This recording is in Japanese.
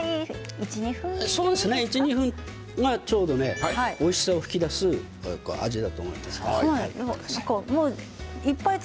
これぐらいがちょうどおいしさを引き出す時間だと思います。